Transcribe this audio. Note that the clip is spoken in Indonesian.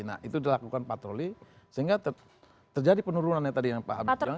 nah itu dilakukan patroli sehingga terjadi penurunannya tadi yang pak habib bilang